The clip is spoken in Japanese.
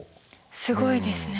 すごいですね。